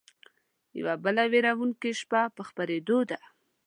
يوه بله وېرونکې شپه په خپرېدو ده